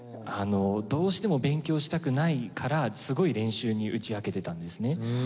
どうしても勉強したくないからすごい練習に打ち明けてたんですね。